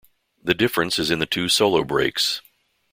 The difference is in the two solo breaks.